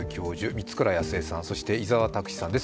満倉靖恵さん、そして伊沢拓司さんです